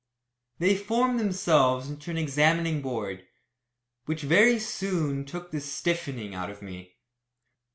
They formed themselves into an examining board, which very soon took the "stiffening" out of me.